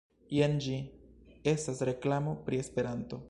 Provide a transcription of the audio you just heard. Jen ĝi, estas reklamo pri Esperanto